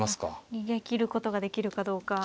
逃げきることができるかどうか。